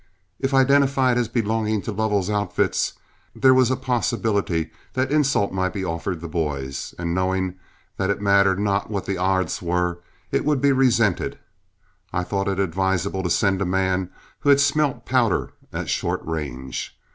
If identified as belonging to Lovell's outfits, there was a possibility that insult might be offered the boys; and knowing that it mattered not what the odds were, it would be resented, I thought it advisable to send a man who had smelt powder at short range.